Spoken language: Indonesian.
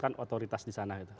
kan otoritas di sana